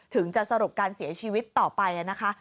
จะสรุปการเสียชีวิตต่อไปนะคะ